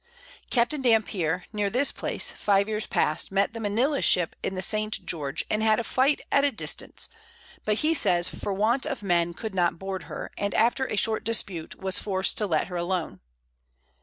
Capt. Dampier, near this Place, five Years past, met the Manila Ship in the St. George, and had a Fight at a Distance, but he says for want of Men could not board her, and after a short Dispute, was forced to let her alone.